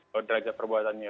kalau derajat perbuatannya